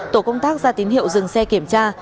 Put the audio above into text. tổ công tác ra tín hiệu dừng xe kiểm tra